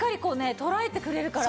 捉えてくれるから。